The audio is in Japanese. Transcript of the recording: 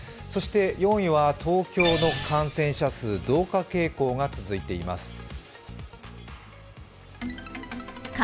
４位は東京の感染者数、増加傾向が続いています。